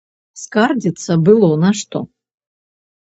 Скардзіцца было на што.